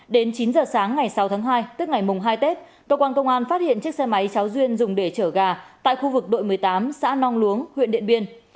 đến chín giờ sáng ngày sáu tháng hai tức ngày mùng hai tết cơ quan công an phát hiện chiếc xe máy cháu duyên dùng để chở gà tại khu vực đội một mươi tám xã nong luống huyện điện biên